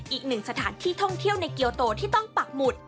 อีกหนึ่งสถานที่ท่องเที่ยวในเกียวโตที่ต้องปักหมุด